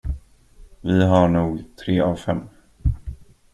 Vi har nog tre av fem.